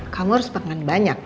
kamu harus pengem banyak